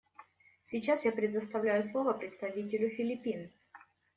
Сейчас я предоставляю слово представителю Филиппин.